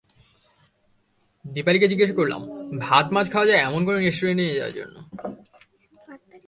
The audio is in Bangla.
দীপালিকে জিজ্ঞাসা করলাম ভাত–মাছ খাওয়া যায় এমন কোনো রেস্টুরেন্টে নিয়ে যাওয়ার জন্য।